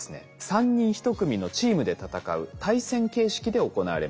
３人１組のチームで戦う対戦形式で行われます。